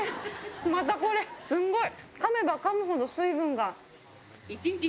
またこれ、すんごい、かめばかむほど水分が。